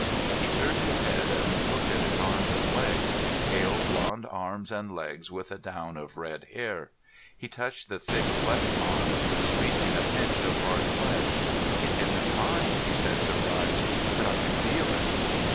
He turned his head and looked at his arms and legs, pale blond arms and legs with a down of red hair. He touched the thick left arm, squeezed a pinch of hard flesh. "It isn't mine," he said, surprised. "But I can feel it."